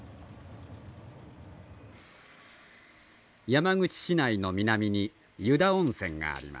山口市内の南に湯田温泉があります。